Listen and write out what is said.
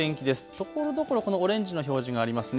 ところどころ、このオレンジの表示がありますね。